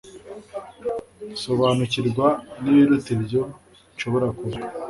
nsobanukirwa n'ibiruta ibyo nshobora kuvuga